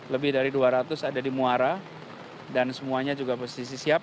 lebih dari dua ratus ada di muara dan semuanya juga posisi siap